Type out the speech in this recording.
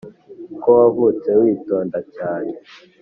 ko wavutse witonda cyane